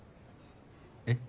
えっ？